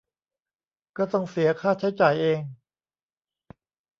ก็ต้องเสียค่าใช้จ่ายเอง